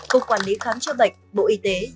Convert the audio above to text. cục quản lý khám chữa bệnh bộ y tế